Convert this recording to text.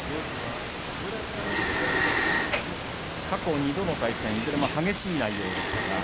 過去２度の対戦いずれも激しい内容でした。